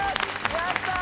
やったー！